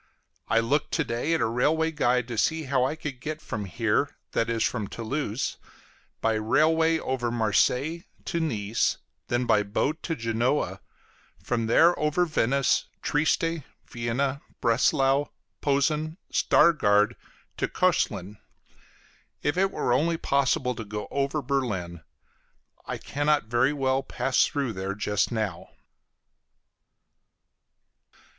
I looked to day at a railway guide to see how I could get from here that is, from Toulouse by railway over Marseilles to Nice, then by boat to Genoa; from there over Venice, Trieste, Vienna, Breslau, Posen, Stargard to Cöslin! If it were only possible to go over Berlin! I cannot very well pass through there just now.